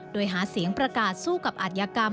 โดยหาเสียงประกาศสู้กับอัธยกรรม